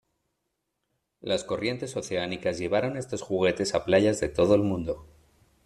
Las corrientes oceánicas llevaron estos juguetes a playas de todo el mundo.